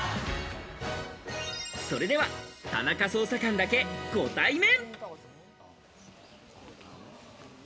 それでは田中捜査官だけご対面。